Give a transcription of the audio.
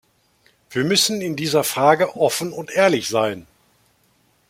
Wir müssen in dieser Frage offen und ehrlich sein!